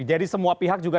jadi semua pihak juga